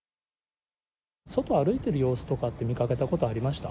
外歩いてる様子とか見かけたことはありました？